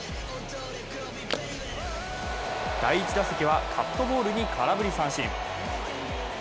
第１打席は、カットボールに空振り三振。